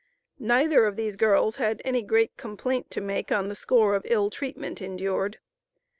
Neither of these girls had any great complaint to make on the score of ill treatment endured.